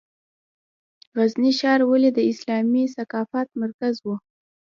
غزني ښار ولې د اسلامي ثقافت مرکز و؟